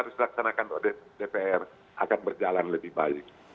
kursus program dpr kebijakan yang harus dilaksanakan oleh dpr akan berjalan lebih baik